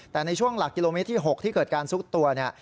แต่ในช่วงหลักกิโลเมตรที่๖ที่เกิดการซุดตัวเนี่ย